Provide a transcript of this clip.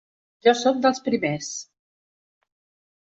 Jo soc dels primers.